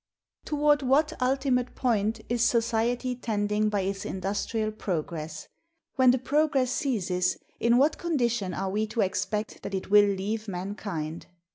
Toward what ultimate point is society tending by its industrial progress? When the progress ceases, in what condition are we to expect that it will leave mankind?